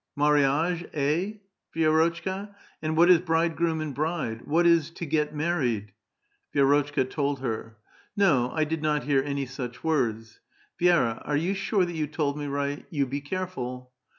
mariage^ he\', Vi^rotcLka? And what is bridegroom and bride ? What is ' to get married '?" Vi^rotchka told her. " No, I did not hear any such words. Vi^ra, are you sure that you told me right ? You be careful